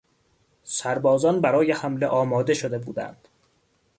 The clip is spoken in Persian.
سربازان برای حمله آماده شده بودند.